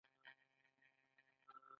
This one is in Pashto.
دا ناورین زیږوونکی برخلیک هر انسان ګواښي.